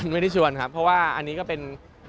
ไม่ได้ชวนครับเพราะว่าอันนี้ก็เป็น